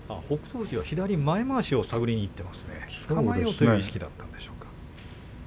富士が左前まわしを探りにいっていますねつかまえようという意識だったんでしょうか。